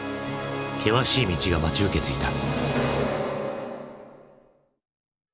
険しい道が待ち受けていた。